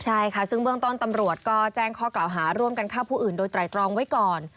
ใช่ค่ะซึ่งเบื้องต้นตำรวจก็แจ้งข้อกล่าวหาร่วมกันฆ่าผู้อื่นโดยไตรตรองไว้ก่อน